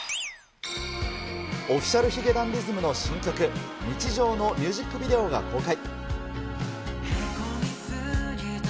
Ｏｆｆｉｃｉａｌ髭男ｄｉｓｍの新曲、日常のミュージックビデオが公開。